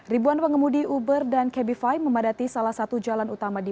ribuan pengemudi uber dan cabify memadati salah satu jalan utama di kuwait